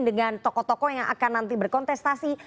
dengan tokoh tokoh yang akan nanti berkontestasi